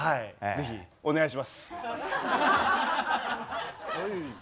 ぜひお願いします。